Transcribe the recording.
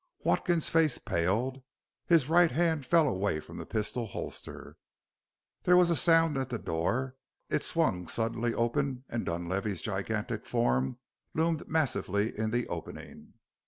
Watkins's face paled; his right hand fell away from the pistol holster. There was a sound at the door; it swung suddenly open and Dunlavey's gigantic frame loomed massively in the opening.